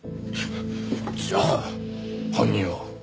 じゃあ犯人は？